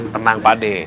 tenang pak deh